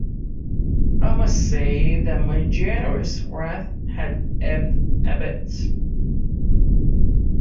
I must say that my generous wrath had ebbed a bit.